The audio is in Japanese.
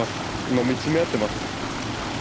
今見つめ合ってます。